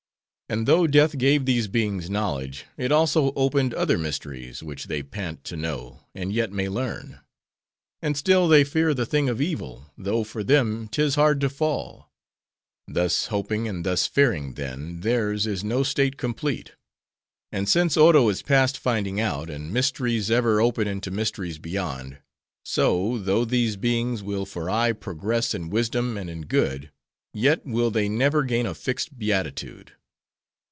"'And though death gave these beings knowledge, it also opened other mysteries, which they pant to know, and yet may learn. And still they fear the thing of evil; though for them, 'tis hard to fall. Thus hoping and thus fearing, then, their's is no state complete. And since Oro is past finding out, and mysteries ever open into mysteries beyond; so, though these beings will for aye progress in wisdom and in good; yet, will they never gain a fixed beatitude.